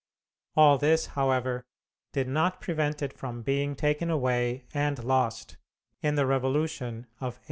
All this, however, did not prevent it from being taken away and lost in the Revolution of 1849.